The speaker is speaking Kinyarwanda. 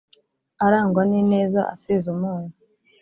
Arangwa n ineza asize umunyu